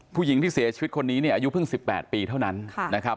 ผู้หญิงที่เสียชีวิตคนนี้เนี่ยอายุเพิ่ง๑๘ปีเท่านั้นนะครับ